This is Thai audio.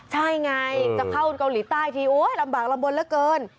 ใช่ไงจะเข้าเกาหลีใต้ทีโอ๊ยลำบากลำบลเหลือเกิน